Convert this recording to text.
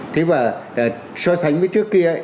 thế mà so sánh với trước kia